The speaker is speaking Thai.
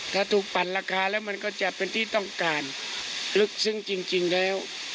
ถ้าถูกปั่นราคาแล้วมันก็จะเป็นที่ต้องการลึกซึ้งจริงแล้ว